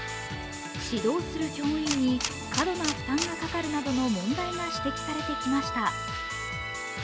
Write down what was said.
指導する教員に過度な負担がかかるなどの問題が指摘されてきました。